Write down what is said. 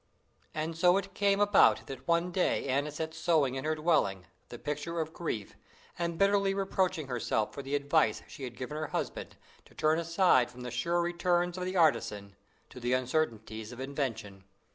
And so it came about that one day Anna sat sewing in her dwelling, the picture of grief, and bitterly reproaching herself for the advice she had given her husband to turn aside from the sure returns of the artisan to the uncertainties of invention.